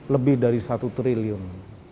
lebih dari satu triliun